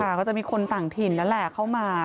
ค่ะก็จะมีคนต่างถิ่นแล้วแหละเข้ามา